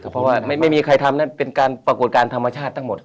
เพราะว่าไม่มีใครทำนั่นเป็นการปรากฏการณ์ธรรมชาติทั้งหมด